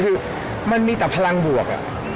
คือมันมีแต่พลังบวก